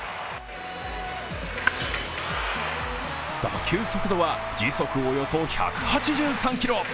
打球速度は時速およそ１８３キロ。